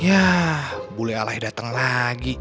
ya bule alay dateng lagi